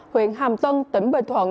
huyện hàm tân tỉnh bình thuận